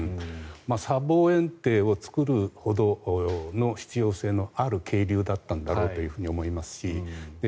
砂防えん堤を作るほどの必要性のある渓流だったんだろうと思いますし